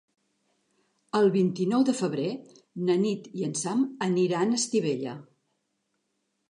El vint-i-nou de febrer na Nit i en Sam aniran a Estivella.